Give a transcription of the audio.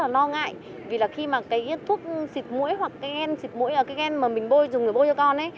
rất là lo ngại vì khi thuốc xịt mũi hoặc ghen xịt mũi là ghen mà mình dùng để bôi cho con